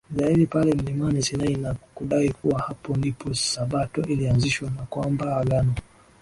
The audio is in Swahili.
Israeli pale mlimani Sinai na kudai kuwa Hapo ndipo sabato ilianzishwa na kwamba Agano